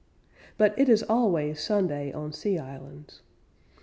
But it is always Sunday on sea islands.